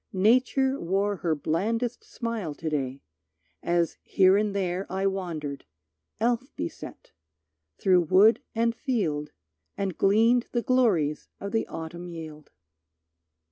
Nature wore Her blandest smile to day, as here and there I wandered, elf beset, through wood and field And gleaned the glories of the autumn yield.